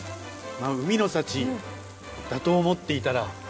海の幸だと思っていたら。